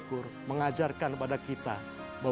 jangan bersel utiliseran